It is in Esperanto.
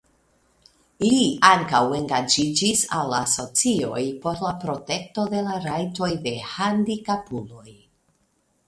Li ankaŭ engaĝiĝis al asocioj por la protekto de la rajtoj de handikapuloj.